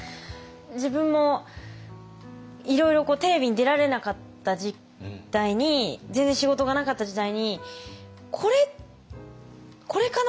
自分もいろいろテレビに出られなかった時代に全然仕事がなかった時代に「これかな？